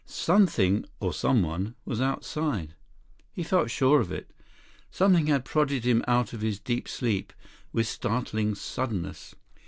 Something—or someone—was outside. He felt sure of it. Something had prodded him out of his deep sleep with startling suddenness.